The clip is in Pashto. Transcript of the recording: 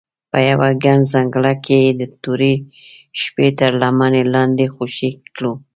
په یوه ګڼ ځنګله کې یې د تورې شپې تر لمنې لاندې خوشې کړو.